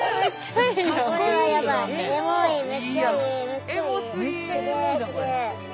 めっちゃいい。